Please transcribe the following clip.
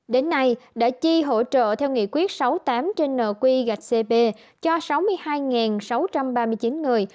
đến nay đã chi hỗ trợ theo nghị quyết sáu mươi tám trên nq gạch cp cho sáu mươi hai sáu trăm ba mươi chín người